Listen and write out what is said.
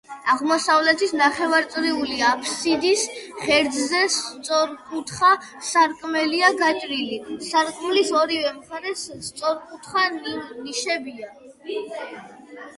აღმოსავლეთის ნახევარწრიული აფსიდის ღერძზე სწორკუთხა სარკმელია გაჭრილი, სარკმლის ორივე მხარეს სწორკუთხა ნიშებია.